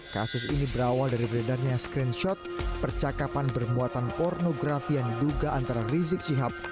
kasus ini berawal dari beredarnya screenshot percakapan bermuatan pornografi yang diduga antara rizik syihab